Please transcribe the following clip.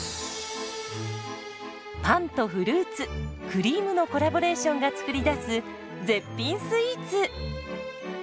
パンとフルーツクリームのコラボレーションが作り出す絶品スイーツ。